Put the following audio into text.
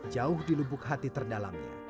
jauh di lubuk hati terdalamnya